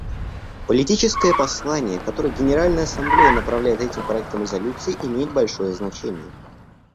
Политическое послание, которое Генеральная Ассамблея направляет этим проектом резолюции, имеет большое значение.